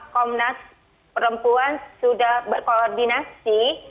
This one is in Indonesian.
komnas perempuan sudah berkoordinasi